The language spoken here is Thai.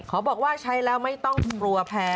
บอกว่าใช้แล้วไม่ต้องรัวแพ้